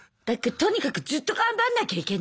とにかくずっと頑張んなきゃいけない。